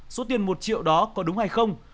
số tiền một triệu đó có đúng hay không